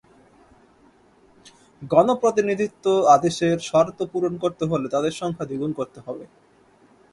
গণপ্রতিনিধিত্ব অাদেশের শর্ত পূরণ করতে হলে তাদের সংখ্যা দ্বিগুণ করতে হবে।